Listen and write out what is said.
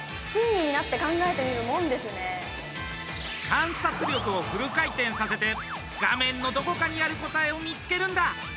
観察力をフル回転させて画面のどこかにある答えを見つけるんだ！